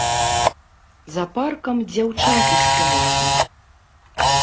За паркам дзяўчаты спявалі.